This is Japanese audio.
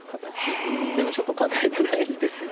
うんでもちょっと考えづらいですね。